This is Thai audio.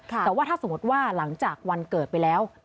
แต่ว่าถ้าสมมติว่าหลังจากวันเกิดไปแล้ว